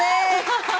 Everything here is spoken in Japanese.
ハハハ。